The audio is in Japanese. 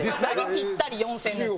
「ぴったり４０００年」って。